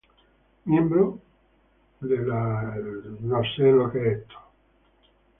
Miembro de la Internacional Association of Theatre Critics.